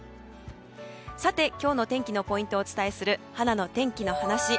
さて、今日の天気のポイントをお伝えするはなの天気の話。